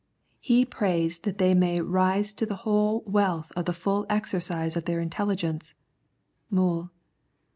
He prays that they may " rise to the whole wealth of the full exercise of their intelligence " (Moule).